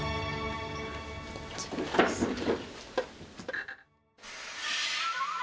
こちらですね。